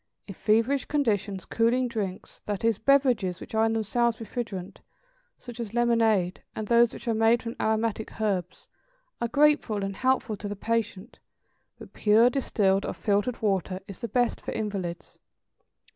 = In feverish conditions cooling drinks, that is beverages which are in themselves refrigerant, such as lemonade, and those which are made from aromatic herbs, are grateful and helpful to the patient, but pure, distilled or filtered water, is the best for invalids.